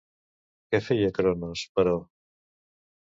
Què feia Cronos, però?